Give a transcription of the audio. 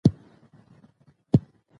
ژوند د کار او هڅي پرته نیمګړی ښکاري.